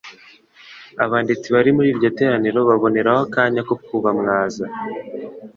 Abanditsi bari muri iryo teraniro baboneraho akanya ko kubamwaza,